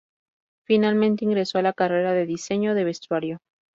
Finalmente, ingresó a la carrera de Diseño de Vestuario.